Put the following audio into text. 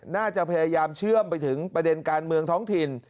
น่าจะพยายามเชื่อมไปถึงประเด็นการเมืองท้องถิ่น